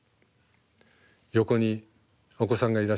横にお子さんがいらっしゃいますね。